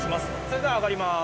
それでは上がります。